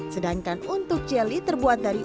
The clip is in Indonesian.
sedangkan untuk jelly terbuat dari